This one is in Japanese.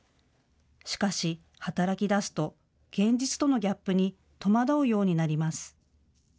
しかし働きだすと現実とのギャップに戸惑うようになります。